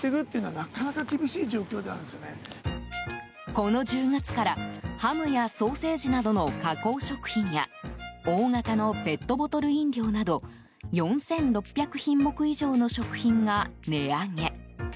この１０月から、ハムやソーセージなどの加工食品や大型のペットボトル飲料など４６００品目以上の食品が値上げ。